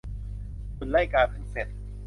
หุ่นไล่กาเพิ่งเสร็จ